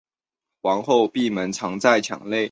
皇后闭门藏在墙内。